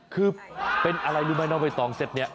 คือเป็นอะไรรู้ไหมน้องใบตองเซ็ตนี้